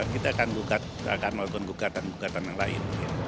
kita akan melakukan gugatan gugatan yang lain